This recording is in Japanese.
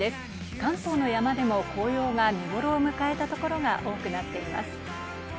関東の山でも紅葉が見ごろを迎えた所が多くなっています。